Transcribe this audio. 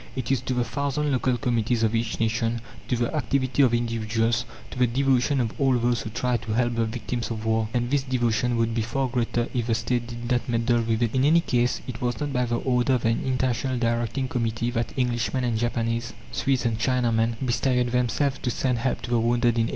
It is to the thousand local committees of each nation; to the activity of individuals, to the devotion of all those who try to help the victims of war. And this devotion would be far greater if the State did not meddle with it. In any case, it was not by the order of an International Directing Committee that Englishmen and Japanese, Swedes and Chinamen, bestirred themselves to send help to the wounded in 1871.